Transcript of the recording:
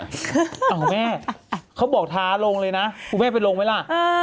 อ้าวแม่เขาบอกท้าลงเลยนะคุณแม่ไปลงไหมล่ะ